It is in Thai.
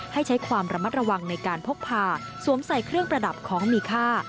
ให้ใช้ความระมัดระวังในการพกพาสวมใส่เครื่องประดับของมีค่า